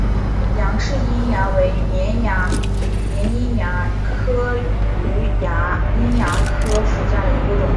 杨氏瘿蚜为绵瘿蚜科榆瘿蚜属下的一个种。